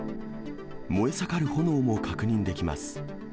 燃え盛る炎も確認できます。